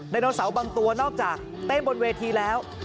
ไดโนเสาร์บางตัวนอกจากเต้นบนเวทีแล้ว